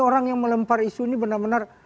orang yang melempar isu ini benar benar